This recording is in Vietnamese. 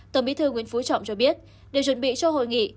tổng bí thư nguyễn phú trọng cho biết để chuẩn bị cho hội nghị